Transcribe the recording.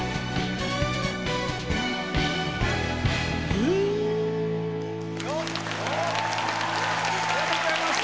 Ｕｈありがとうございました！